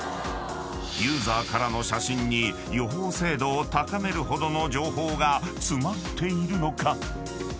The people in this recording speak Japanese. ［ユーザーからの写真に予報精度を高めるほどの情報が詰まっているのか？］